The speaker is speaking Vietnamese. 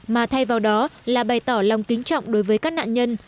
mà thay vào đó là bày tỏ lòng kính trọng đối với các nạn nhân